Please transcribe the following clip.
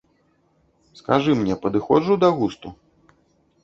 Скажы мне, падыходжу да густу?